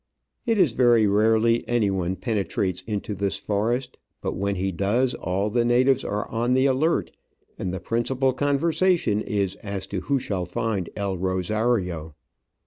It is very rarely anyone penetrates into this forest, but when he does all the natives are on the alert, and the principal conversa tion is as to who shall find El Rosario."